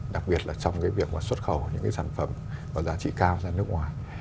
đặc biệt là trong việc xuất khẩu những sản phẩm có giá trị cao ra nước ngoài